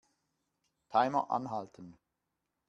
Timer anhalten.